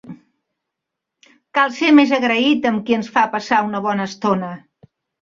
Cal ser més agraït amb qui ens fa passar una bona estona.